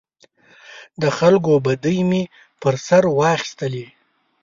د خلکو بدۍ مې پر سر واخیستلې.